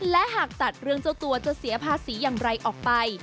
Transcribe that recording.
และหากตัดเรื่องเจ้าตัวจะเสียภาษีอย่างไรออกไป